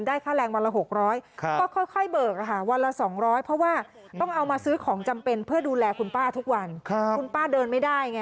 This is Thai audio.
ได้ค่าแรงวันละ๖๐๐